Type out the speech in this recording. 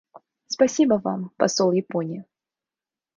Спасибо Вам, посол Японии.